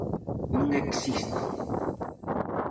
Non existen?